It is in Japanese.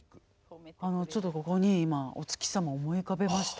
あのちょっとここに今お月様思い浮かべました。